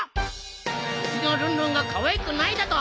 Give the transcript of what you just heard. うちのルンルンがかわいくないだと！